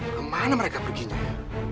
kemana mereka perginya ya